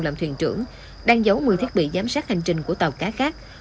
làm thuyền trưởng đăng dấu một mươi thiết bị giám sát hành trình của tàu cá khác